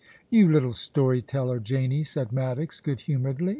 73 * You little story teller, Janie,' said Maddox, good humouredly.